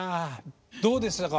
どうでしたか？